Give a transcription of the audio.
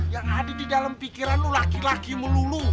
yang ada di dalam pikiran lu laki laki melulu